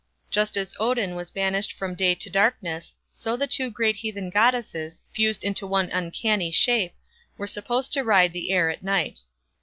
Just as Odin was banished from day to darkness, so the two great heathen goddesses, fused into one "uncanny" shape, were supposed to ride the air at night.